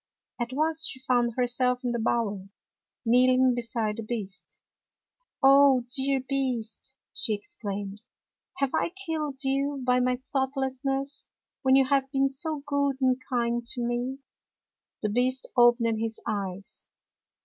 At once she found herself in the bower, kneeling beside the Beast. " Oh, dear Beast! " she exclaimed, " have I killed you by my thoughtlessness, when you have been so good and kind to me? " The Beast opened his eyes.